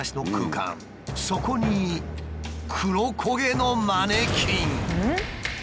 そこに黒焦げのマネキン！